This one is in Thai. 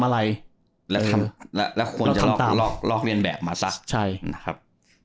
และควรลอกเลียนแบบมาซะนะครับ